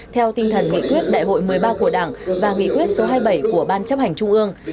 theo tinh thần nghị quyết đại hội một mươi ba của đảng và nghị quyết số hai mươi bảy của ban chấp hành trung ương